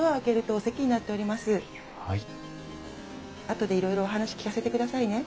あとでいろいろお話聞かせてくださいね。